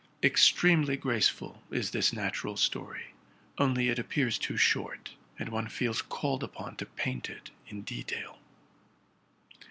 Extremely graceful is this natural story, only it appears too short; and one feels "ulled upon to paint it in detail.